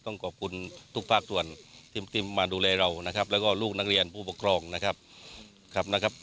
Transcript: ขอบคุณทุกภาคส่วนที่มาดูแลเรานะครับแล้วก็ลูกนักเรียนผู้ปกครองนะครับ